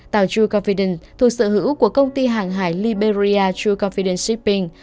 tàu true confidence thuộc sở hữu của công ty hàng hải liberia true confidence shipping